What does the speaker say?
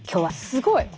すごい。